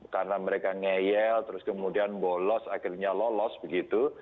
karena mereka ngeyel terus kemudian bolos akhirnya lolos begitu